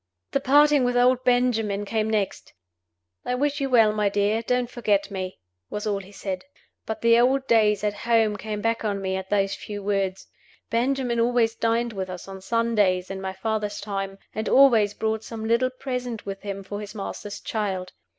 The parting with old Benjamin came next. "I wish you well, my dear; don't forget me," was all he said. But the old days at home came back on me at those few words. Benjamin always dined with us on Sundays in my father's time, and always brought some little present with him for his master's child.